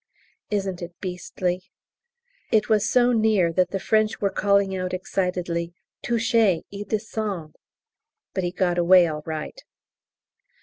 Isn't it beastly? It was so near that the French were calling out excitedly, "Touché! Il descend," but he got away all right.